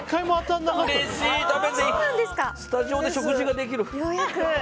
スタジオで食事ができる。